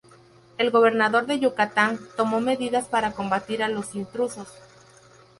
El gobernador de Yucatán tomó medidas para combatir a los intrusos.